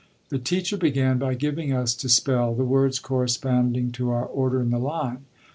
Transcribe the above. The teacher began by giving us to spell the words corresponding to our order in the line.